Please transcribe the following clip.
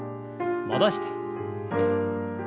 戻して。